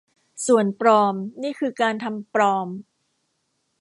ส่วน ปลอม นี่คือการทำปลอม